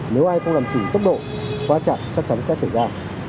nếu ai không làm chủ tốc độ quá chặn chắc chắn sẽ xảy ra